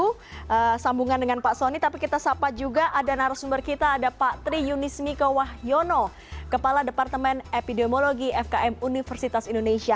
kita sudah sambungan dengan pak soni tapi kita sapa juga ada narasumber kita ada pak tri yunis miko wahyono kepala departemen epidemiologi fkm universitas indonesia